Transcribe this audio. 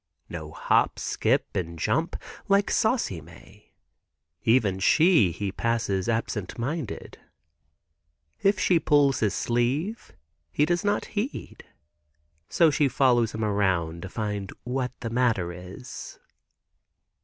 No hop, skip and jump, like Saucy Mae. Even she he passes absent minded. If she pulls his sleeve, he does not heed, so she follows him around to find what the matter is.